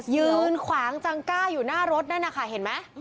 ยืนขวางจังก้าอยู่หน้ารถนั่นนะคะเห็นไหม